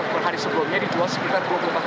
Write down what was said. per hari sebelumnya dijual sekitar dua puluh empat